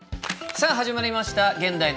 さあ始まりました「現代の国語」。